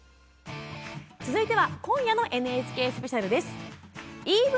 続いては今夜のＮＨＫスペシャルです。